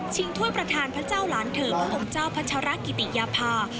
ถ้วยประธานพระเจ้าหลานเธอพระองค์เจ้าพัชรกิติยภา